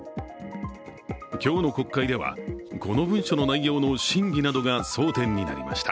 今日の国会では、この文書の内容の真偽などが争点となりました。